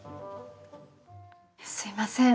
すいません。